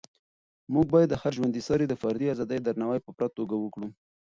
موږ باید د هر ژوندي سري د فردي ازادۍ درناوی په پوره توګه وکړو.